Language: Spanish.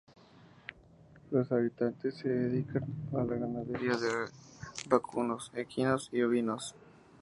Los habitantes se dedican a la ganadería de vacunos, equinos y ovinos.